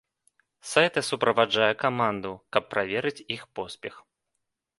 Сайта суправаджае каманду, каб праверыць іх поспех.